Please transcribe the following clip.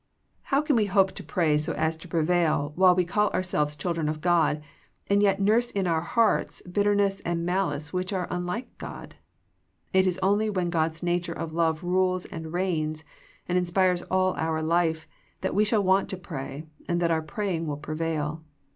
How can we hope to pray so as to pre 54 THE PEAOTICE OF PRAYEE vail while we call ourselves children of God, and yet nurse in our hearts bitterness and malice which are unlike God ? It is only when God's nature of love rules and reigns and inspires all our life, that we shall want to pray, and that our praying will prevail.